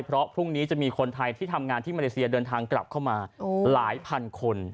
เพราะพรุ่งนี้จะมีคนไทยที่ทำงานที่มาเลเซียเดินทางกลับเข้ามาหลายพันคน